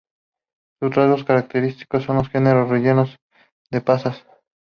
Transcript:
Su rasgo característico es el generoso relleno de pasas.